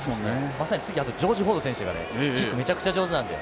まさに次ジョージ・フォード選手がキックがめちゃくちゃ上手なので。